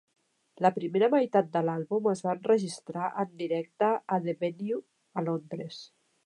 La primera meitat de l'àlbum es va enregistrar en directe a The Venue a Londres.